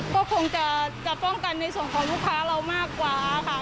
ก็คงจะป้องกันในส่วนของลูกค้าเรามากกว่าค่ะ